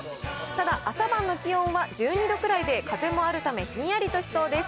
ただ、朝晩の気温は１２度くらいで、風もあるため、ひんやりとしそうです。